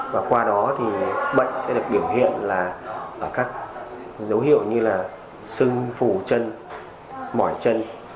và qua đó thì bệnh sẽ được biểu hiện là các dấu hiệu như là sưng phủ chân mỏi chân